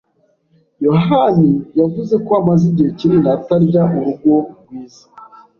yohani yavuze ko amaze igihe kinini atarya urugo rwiza.